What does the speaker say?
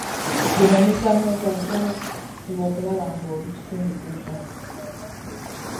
Guno omuzannyo gwa ddala, fuba okulaba ng'oli ku kitundu ku gwo.